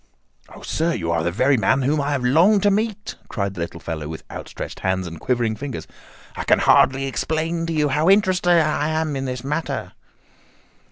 "Oh, sir, you are the very man whom I have longed to meet," cried the little fellow with outstretched hands and quivering fingers. "I can hardly explain to you how interested I am in this matter."